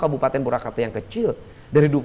kabupaten purwakarta yang kecil dari